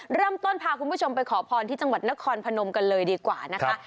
เริ่มต้นพาคุณผู้ชมไปขอพรที่จังหวัดนครพนมกันเลยดีกว่านะคะ